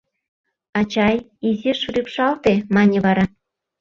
— Ачай, изиш рӱпшалте, — мане вара.